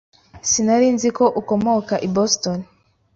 Sinari nzi ko ukomoka i Boston.